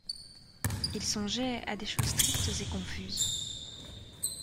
Il songeait à des choses tristes et confuses.